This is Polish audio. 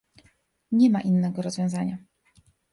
Nie ma innego rozwiązania